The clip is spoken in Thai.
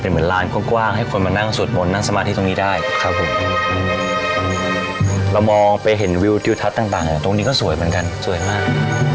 เรามองไปเห็นวิวทิวทัศน์ต่างตรงนี้ก็สวยเหมือนกันสวยมาก